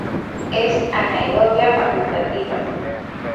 Es anaerobia facultativa.